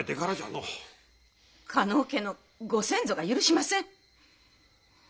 加納家の御先祖が許しません！